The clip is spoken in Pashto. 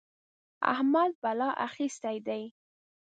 احمد بلا اخيستی دی.